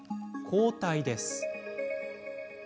抗体です。